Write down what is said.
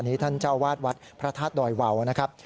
ท่านเจ้าวาดวัดพระธาตุดอยวาวนะครับ